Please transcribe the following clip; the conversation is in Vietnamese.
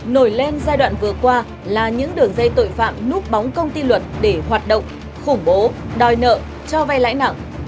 nổi lên giai đoạn vừa qua là những đường dây tội phạm núp bóng công ty luật để hoạt động khủng bố đòi nợ cho vay lãi nặng